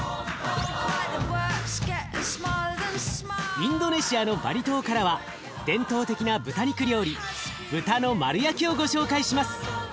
インドネシアのバリ島からは伝統的な豚肉料理豚の丸焼きをご紹介します。